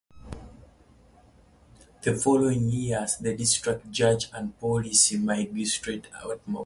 The following year as the District Judge and Police Magistrate at Badulla.